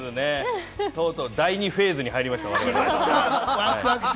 とうとう第二フェーズに入ってきました。